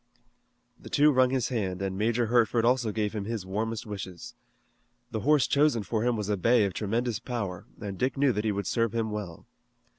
The two wrung his hand and Major Hertford also gave him his warmest wishes. The horse chosen for him was a bay of tremendous power, and Dick knew that he would serve him well.